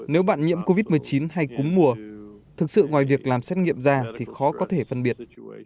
nếu bạn nhiễm covid một mươi chín hay cúm mùa thực sự ngoài việc làm xét nghiệm ra thì khó có thể phân biệt